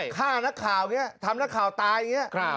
ฆ่านักข่าวอย่างนี้ทำนักข่าวตายอย่างนี้